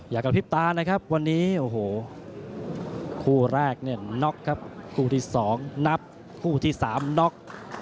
อยากกระพริบตานะครับวันนี้คู่แรกนี่น็อคครับคู่ที่สองนับคู่ที่สามน็อค